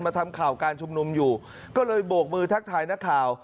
ทำข่าวการชุมนุมอยู่ก็เลยโบกมือทักทายนักข่าว